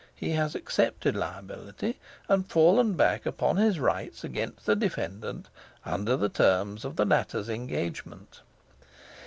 He has accepted liability, and fallen back upon his rights against the defendant under the terms of the latter's engagement.